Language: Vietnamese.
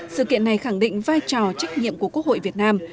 sự kiện này khẳng định vai trò trách nhiệm của quốc hội việt nam